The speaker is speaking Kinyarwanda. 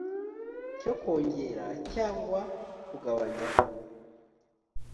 cyo kwongera cyangwa kugabanyaho